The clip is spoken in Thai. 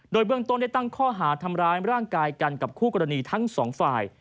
โดยเบื้องต้นได้ตั้งข้อหาทำร้ายร่างกายกันกับคู่กรณีทั้งสองฝ่าย